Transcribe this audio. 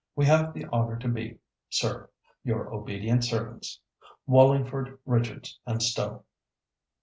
—We have the honour to be, Sir, your obedient servants, "WALLINGFORD, RICHARDS & STOWE."